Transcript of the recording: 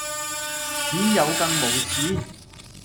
只有更無恥